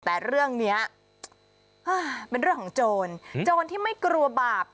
แต่เรื่องนี้เป็นเรื่องของโจรโจรที่ไม่กลัวบาป